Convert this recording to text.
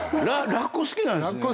ラッコ好きですね。